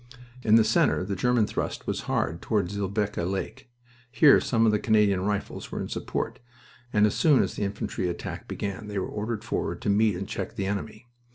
In the center the German thrust was hard toward Zillebeke Lake. Here some of the Canadian Rifles were in support, and as soon as the infantry attack began they were ordered forward to meet and check the enemy.